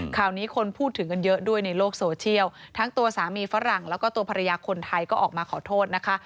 ข่าวนี้คนพูดถึงกันเยอะด้วยในโลกโซเชียลทั้งตัวสามีฝรั่งแล้วก็ตัวภรรยาคนไทยก็ออกมาขอโทษนะคะ